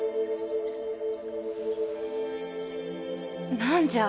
何じゃ！